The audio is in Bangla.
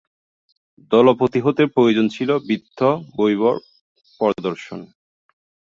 দলপতি হতে প্রয়োজন ছিল বিত্ত-বৈভব প্রদর্শন।